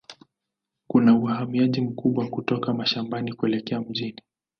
Kuna uhamiaji mkubwa kutoka mashambani kuelekea mjini.